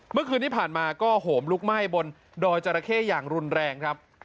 เมื่อคืนที่ผ่านมาก็โหมลุกไหม้บนดอยจราเข้อย่างรุนแรงครับ